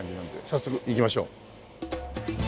早速行きましょう。